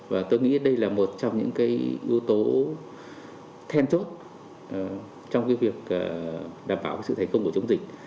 và tôi nghĩ đây là một trong những cái yếu tố then chốt trong việc đảm bảo sự thành công của chống dịch